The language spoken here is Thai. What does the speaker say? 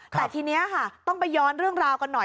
แต่ทีนี้ค่ะต้องไปย้อนเรื่องราวกันหน่อย